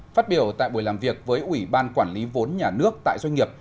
phát biểu tại buổi làm việc với ủy ban quản lý vốn nhà nước tại doanh nghiệp